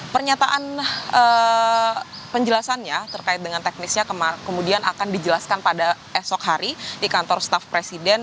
pernyataan penjelasannya terkait dengan teknisnya kemudian akan dijelaskan pada esok hari di kantor staff presiden